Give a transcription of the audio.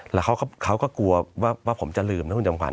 แล้วเขาก็กลัวว่าผมจะลืมนะคุณจำขวั